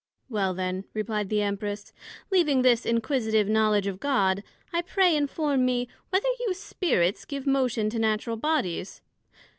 Well then, replied the Empress, leaving this inquisitive knowledg of God, I pray inform me, whether you Spirits give motion to Natural Bodies?